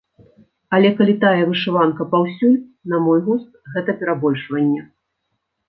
Але калі тая вышыванка паўсюль, на мой густ гэта перабольшванне.